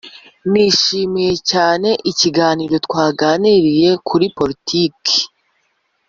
nishimiye cyane ikiganiro twaganiriye kuri politiki.